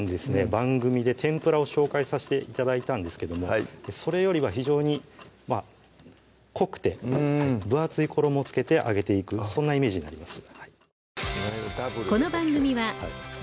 番組で天ぷらを紹介さして頂いたんですけどもそれよりは非常に濃くて分厚い衣を付けて揚げていくそんなイメージになります